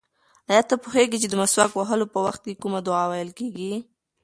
ایا ته پوهېږې چې د مسواک وهلو په وخت کې کومه دعا ویل کېږي؟